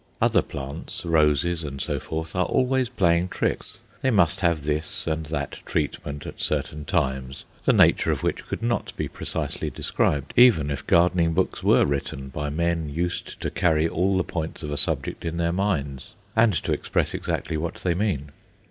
Other plants roses and so forth are always playing tricks. They must have this and that treatment at certain times, the nature of which could not be precisely described, even if gardening books were written by men used to carry all the points of a subject in their minds, and to express exactly what they mean.